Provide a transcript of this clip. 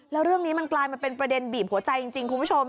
แล้วเรื่องนี้มันกลายมาเป็นประเด็นบีบหัวใจจริงคุณผู้ชม